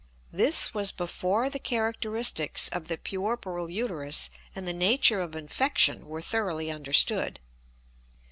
This was before the characteristics of the puerperal uterus and the nature of infection were thoroughly understood.